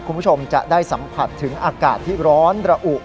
คุณผู้ชมจะได้สัมผัสถึงอากาศที่ร้อนระอุ